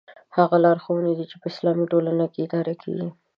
هغه لارښوونې دي چې اسلامي ټولنه اداره کېږي.